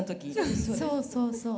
そうそうそう。